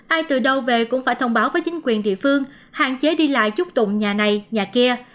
ai từ đâu về cũng phải thông báo với chính quyền địa phương hạn chế đi lại chút tụng nhà này nhà kia